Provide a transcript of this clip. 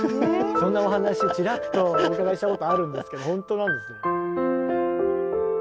そんなお話ちらっとお伺いしたことあるんですけどほんとなんですね。